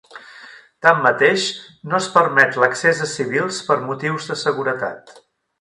Tanmateix, no es permet l'accés a civils per motius de seguretat.